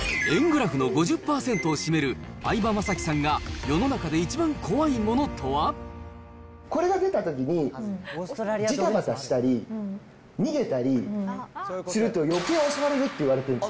円グラフの５０％を占める相葉雅紀さんが世の中で一番怖いもこれが出たときに、じたばたしたり、逃げたりすると、よけい襲われるって言われてる。